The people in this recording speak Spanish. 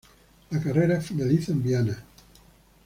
La carretera finaliza en Viana.